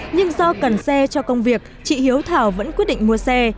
nhưng do cần xe cho công việc chị hiếu thảo vẫn quyết định mua xe